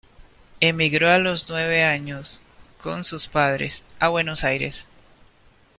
Emigró a los nueve años, con sus padres, a Buenos Aires.